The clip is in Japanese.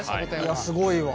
いやすごいわ。